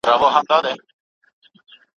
ډېر ژوند کول مهم نه دي ښه ژوند کول مهم دي .